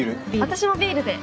私もビールで。